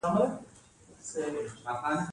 خدای دې موږ ته توفیق راکړي